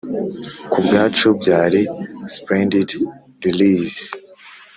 kubwacu byari splendid release;